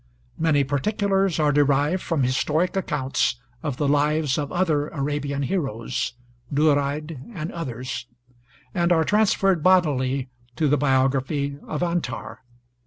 Many particulars are derived from historic accounts of the lives of other Arabian heroes (Duraid and others) and are transferred bodily to the biography of Antar.